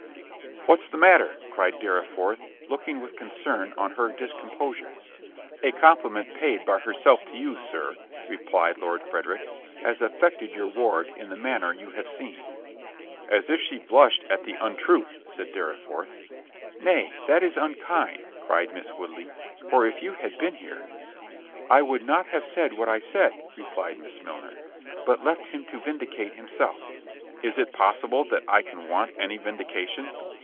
"What's the matter?" cried Dorriforth, looking with concern on her discomposure. "A compliment paid by herself to you, Sir," replied Lord Frederick, "has affected your ward in the manner you have seen." "As if she blushed at the untruth," said Dorriforth. "Nay, that is unkind," cried Miss Woodley; "for if you had been here"—— "—I would not have said what I did," replied Miss Milner, "but left him to vindicate himself." "Is it possible that I can want any vindication?